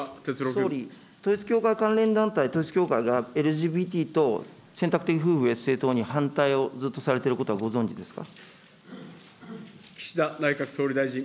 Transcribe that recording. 総理、統一教会関連団体、統一教会が、ＬＧＢＴ等、選択的夫婦別姓等に反対をずっとされてることはご存じですか。